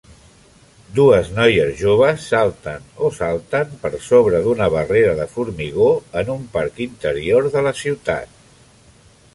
Dues noies joves salten o salten per sobre d'una barrera de formigó en un parc interior de la ciutat.